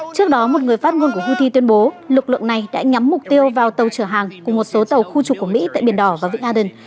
trước đó một người phát ngôn của houthi tuyên bố lực lượng này đã nhắm mục tiêu vào tàu chở hàng của một số tàu khu trục của mỹ tại biển đỏ và vịnh aden